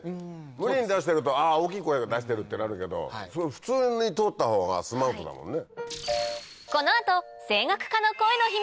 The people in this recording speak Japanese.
無理に出してると「あぁ大きい声出してる」ってなるけど普通に通った方がスマートだもんね。